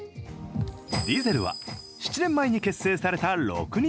ディゼルは７年前に結成された６人組。